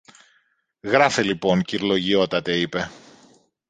Γράφε λοιπόν, κυρ-λογιότατε, είπε.